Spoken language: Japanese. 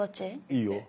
いいよ。